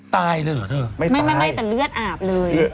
ตายเลยเหรอเธอไม่แต่เลือดอาบเลย